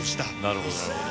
なるほどなるほど。